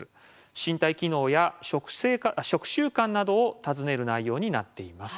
身体機能や食習慣などを尋ねる内容になっています。